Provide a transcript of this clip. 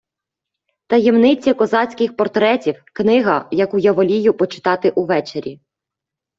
Таємниці козацьких портретів - книга, яку я волію почитати увечері